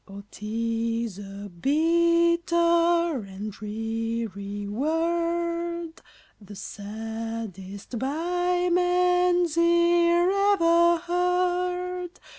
O, 'tis a bitter and dreary word, The saddest by man's ear ever heard!